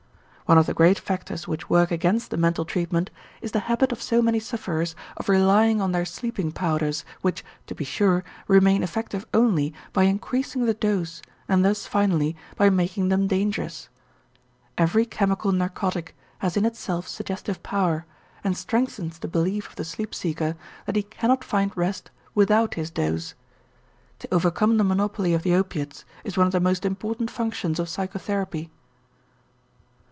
One of the great factors which work against the mental treatment is the habit of so many sufferers of relying on their sleeping powders which, to be sure, remain effective only by increasing the dose and thus finally by making them dangerous. Every chemical narcotic has in itself suggestive power and strengthens the belief of the sleep seeker that he cannot find rest without his dose. To overcome the monopoly of the opiates is one of the most important functions of psychotherapy.